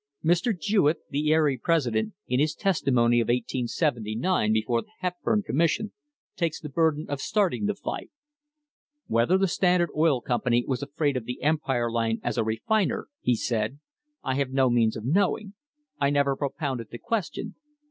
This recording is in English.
Mr. Jewett, the Erie president, in his testimony of 1879 before the Hepburn Commission, takes the burden of starting the fight. "Whether the Standard Oil Company was afraid of the Empire Line as a refiner," he said, "I have no means of knowing. I never propounded the question.